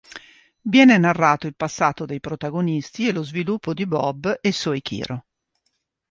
Viene narrato il passato dei protagonisti e lo sviluppo di Bob e Soichiro.